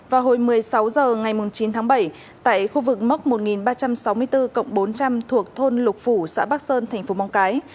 vào hồi một mươi sáu h ngày chín tháng bảy tại khu vực mốc một nghìn ba trăm sáu mươi bốn bốn trăm linh thuộc thôn lục phủ xã bắc sơn thành phố móng cái